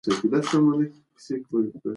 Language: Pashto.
ماشوم په ډېرې خوښۍ سره ټوپونه وهل.